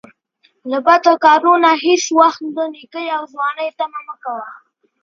له بدکارو نه هیڅ وخت د نیکۍ او ځوانۍ طمعه مه کوه